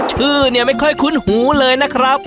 ชื่อเนี่ยไม่ค่อยคุ้นหูเลยนะครับ